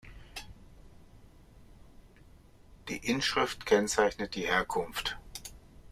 Die Inschrift kennzeichnet die Herkunft.